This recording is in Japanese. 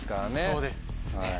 そうですね。